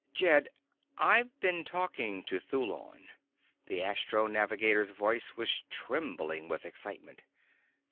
"Jed, I've been talking to Thulon." The astro navigator's voice was trembling with excitement.